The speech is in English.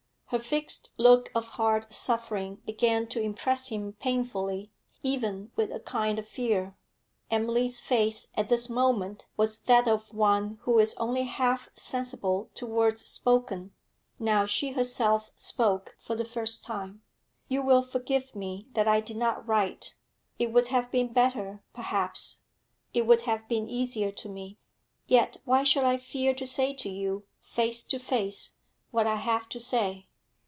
Her fixed look of hard suffering began to impress him painfully, even with a kind of fear. Emily's face at this moment was that of one who is only half sensible to words spoken. Now she herself spoke for the first time. 'You will forgive me that I did not write. It would have been better, perhaps; it would have been easier to me. Yet why should I fear to say to you, face to face, what I have to say?'